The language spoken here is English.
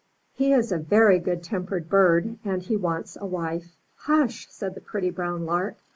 "He is a very good tempered bird, and he wants a wife." "Hush!" said the pretty brown Lark.